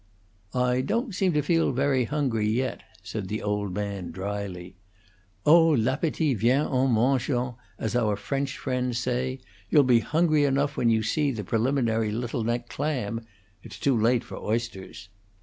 "I don't seem to feel very hungry, yet," said they old man, dryly. "Oh, 'l'appetit vient en mangeant', as our French friends say. You'll be hungry enough when you see the preliminary Little Neck clam. It's too late for oysters."